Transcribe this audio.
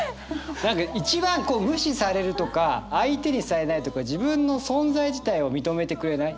何か一番無視されるとか相手にされないとか自分の存在自体を認めてくれない。